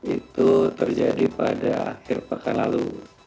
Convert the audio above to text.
itu terjadi pada akhir pekan lalu